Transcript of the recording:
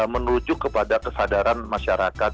menuju kepada kesadaran masyarakat